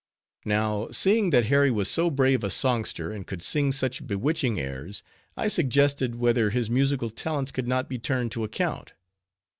Now, seeing that Harry was so brave a songster, and could sing such bewitching airs: I suggested whether his musical talents could not be turned to account.